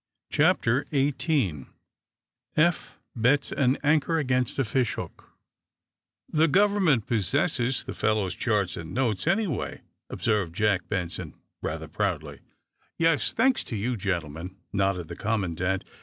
CHAPTER XVIII EPH BETS AN ANCHOR AGAINST A FISH HOOK "The government possesses the fellow's charts and notes, anyway," observed Jack Benson, rather proudly. "Yes, thanks to you, gentlemen," nodded the commandant.